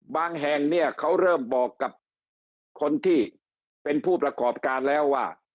แห่งเนี่ยเขาเริ่มบอกกับคนที่เป็นผู้ประกอบการแล้วว่า